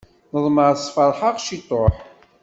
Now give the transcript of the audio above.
Neḍmeɛ sferḥ-aɣ ciṭuḥ.